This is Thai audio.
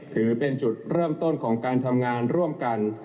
ถือเป็นจุดเริ่มต้นของการทำงานร่วมกัน